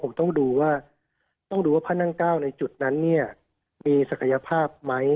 ผมต้องดูว่าพนัก๙ในจุดนั้นเนี่ยมีศักยภาพไหม